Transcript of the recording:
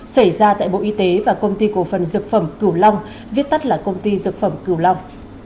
xảy ra tại bộ y tế và công ty cổ phần dược phẩm cửu long viết tắt là công ty dược phẩm cửu long